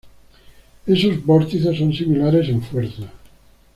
Esos vórtices son similares en fuerza.